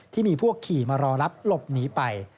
ที่มีพวกขี่มารอรับหลบหนีไป